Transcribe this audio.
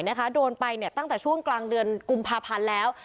วัยหน่อยนะคะโดนไปเนี่ยตั้งแต่ช่วงกลางเดือนกุมภาพันธ์แล้ว